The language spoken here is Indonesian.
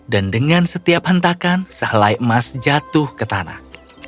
dan dengan setiap hentakan sehelai emas jatuh ke tanah